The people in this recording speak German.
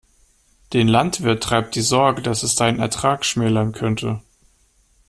Den Landwirt treibt die Sorge, dass es seinen Ertrag schmälern könnte.